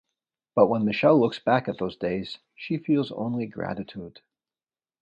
But when Michele looks back at those days she feels only gratitude.